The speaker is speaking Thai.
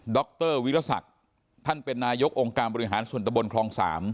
รวิรสักท่านเป็นนายกองค์การบริหารส่วนตะบนคลอง๓